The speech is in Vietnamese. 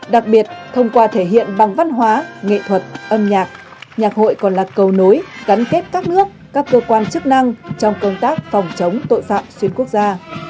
đặc biệt thông qua thể hiện bằng văn hóa nghệ thuật âm nhạc nhạc hội còn là cầu nối gắn kết các nước các cơ quan chức năng trong công tác phòng chống tội phạm xuyên quốc gia